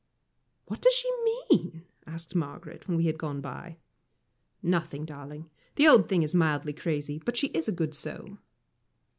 "What does she mean?" asked Margaret, when we had gone by. "Nothing, darling. The old thing is mildly crazy, but she is a good soul."